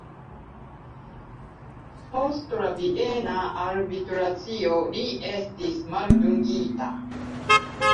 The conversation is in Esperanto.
Post la viena arbitracio li estis maldungita.